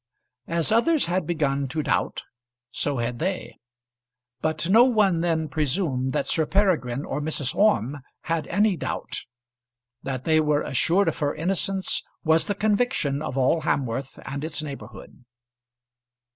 As others had begun to doubt, so had they; but no one then presumed that Sir Peregrine or Mrs. Orme had any doubt. That they were assured of her innocence was the conviction of all Hamworth and its neighbourhood.